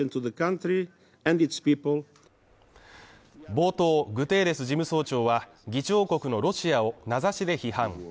冒頭、グテーレス事務総長は議長国のロシアを名指しで批判。